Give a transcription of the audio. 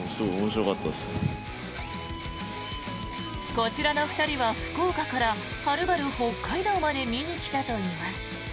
こちらの２人は福岡からはるばる北海道まで見に来たといいます。